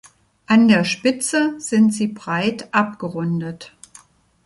An der Spitze sind sie breit abgerundet.